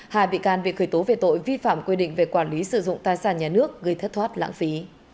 hai bị can bị khởi tố về tội vi phạm quy định về quản lý sử dụng tài sản nhà nước gây thất thoát lãng phí